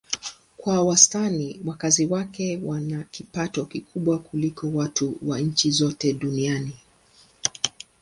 Kwa wastani wakazi wake wana kipato kikubwa kuliko watu wa nchi zote duniani.